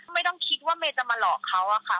ไม่ต้องคิดว่าเมย์จะมาหลอกเขาอะค่ะ